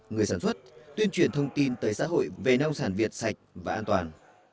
người sản xuất tuyên truyền thông tin tới xã hội về nông sản việt sạch và an toàn